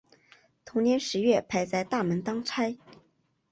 同年十月派在大门当差。